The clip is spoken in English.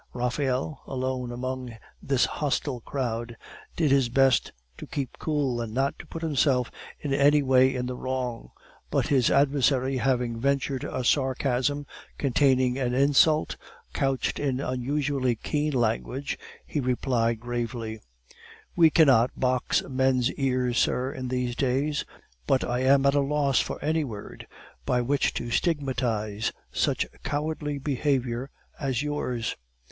Raphael, alone among this hostile crowd, did his best to keep cool, and not to put himself in any way in the wrong; but his adversary having ventured a sarcasm containing an insult couched in unusually keen language, he replied gravely: "We cannot box men's ears, sir, in these days, but I am at a loss for any word by which to stigmatize such cowardly behavior as yours."